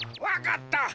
わかった！